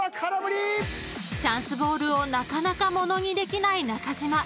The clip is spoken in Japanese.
［チャンスボールをなかなか物にできない中島］